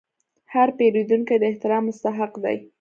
هر پیرودونکی د احترام مستحق دی.